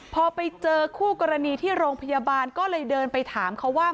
พอไปเจอคู่กรณีที่โรงพยาบาลก็เลยเดินไปถามเขาว่า